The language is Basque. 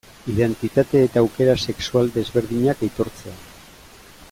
Identitate eta aukera sexual desberdinak aitortzea.